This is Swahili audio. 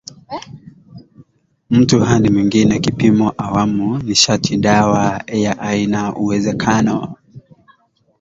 mtu hadi mwingine Kipimo awamu nishatidawa ya ainaUwezekano